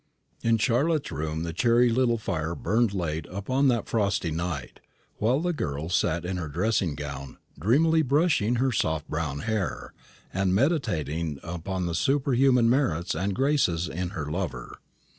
In Charlotte's room the cheery little fire burned late upon that frosty night, while the girl sat in her dressing gown dreamily brushing her soft brown hair, and meditating upon the superhuman merits and graces in her lover.